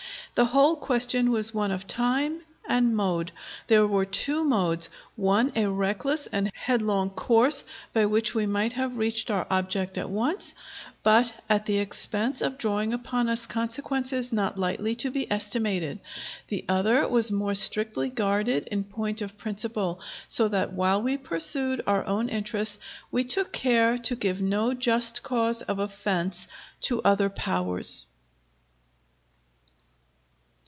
The whole question was one of time and mode. There were two modes: one a reckless and headlong course by which we might have reached our object at once, but at the expense of drawing upon us consequences not lightly to be estimated; the other was more strictly guarded in point of principle, so that while we pursued our own interests, we took care to give no just cause of offense to other Powers.